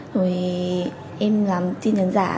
rồi em làm tin nhắn giả